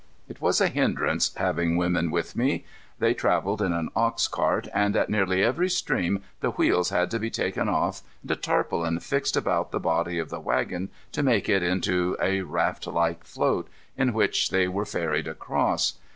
It was a hindrance, having women with me. They traveled in an ox cart, and at nearly every stream the wheels had to be taken off and a tarpaulin fixed about the body of the wagon to make it into a raftlike float, in which they were ferried across.